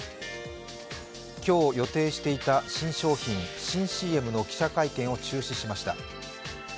今日、予定していた新商品、新ＣＭの記者会見を中止しました。